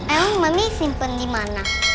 emang mami simpen dimana